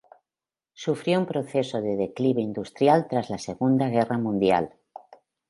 Sufrió un proceso de declive industrial tras la Segunda Guerra Mundial.